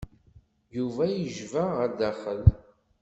Yuba yejba ɣer daxel.